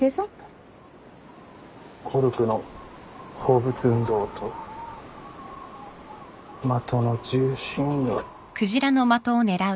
コルクの放物運動と的の重心が。